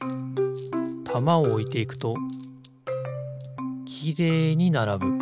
たまをおいていくときれいにならぶ。